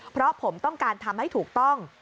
เพราะผมต้องการทำให้ถูกต้อง